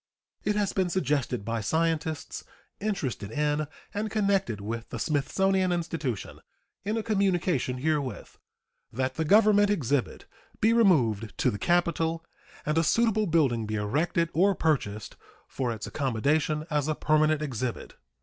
It has been suggested by scientists interested in and connected with the Smithsonian Institution, in a communication herewith, that the Government exhibit be removed to the capital and a suitable building be erected or purchased for its accommodation as a permanent exhibit.